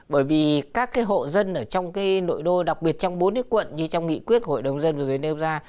bởi vì các cái hộ dân ở trong cái nội đô đặc biệt trong bốn cái quận như trong nghị quyết hội đồng dân vừa rồi nêu ra